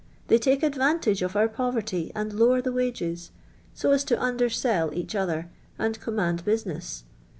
They take advantiige of our poverty and lower the wages, so as to underseil each other, and command business.